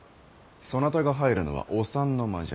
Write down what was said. そなたが入るのはお三の間じゃ。